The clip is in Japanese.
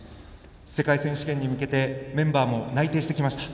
世界選手権に向けてメンバーも内定してきました。